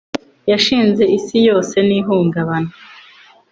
Yashinze isi yose ntihungabana